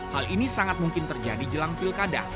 hal ini sangat mungkin terjadi jelang pilkada